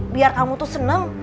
biar kamu tuh seneng